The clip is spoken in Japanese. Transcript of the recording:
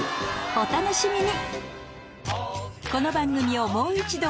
お楽しみに！